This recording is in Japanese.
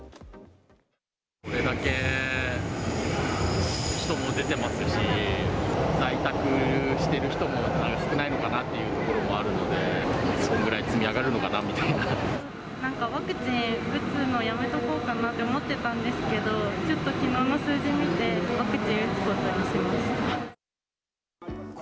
これだけ人も出ていますし、在宅している人も少ないのかなっていうところもあるので、それくなんか、ワクチン打つのやめとこうかなって思ってたんですけど、ちょっときのうの数字見て、ワクチン打つことにしました。